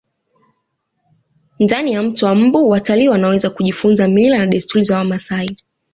ndani ya mto wa mbu watalii wanaweza kujifunza mila na desturi za wamasai